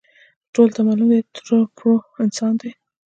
ټولو ته معلوم دی، ټرو پرو انسان دی.